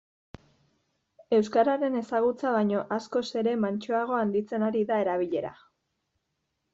Euskararen ezagutza baino askoz ere mantsoago handitzen ari da erabilera.